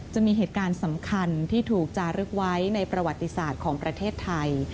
จะมีเหตุการณ์สำคัญที่ถูกจารึกไว้ในประวัติศาสตร์ของประเทศไทย